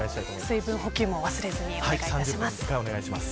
水分補給も忘れずにお願いします。